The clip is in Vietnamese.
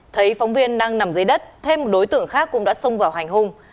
thấy phóng viên đang nằm dưới đất thêm một đối tượng khác cũng đã xông vào hành hung